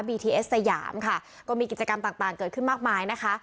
ทีเอสสยามค่ะก็มีกิจกรรมต่างต่างเกิดขึ้นมากมายนะคะ